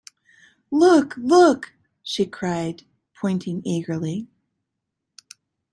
‘Look, look!’ she cried, pointing eagerly.